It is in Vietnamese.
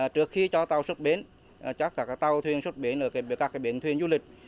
trước khi cho tàu xuất bến chắc cả tàu thuyền xuất bến ở các bến thuyền du lịch